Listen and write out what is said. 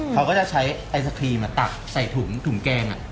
เขาก็จะใช้ไอศครีมตักใส่ถุงแกง